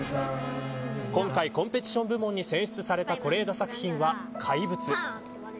今回コンペティション部門に選出された是枝作品は怪物。